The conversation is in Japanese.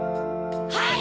はい！